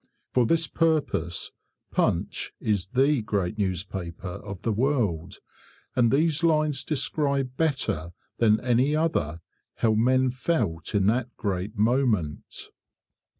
For this purpose 'Punch' is the great newspaper of the world, and these lines describe better than any other how men felt in that great moment.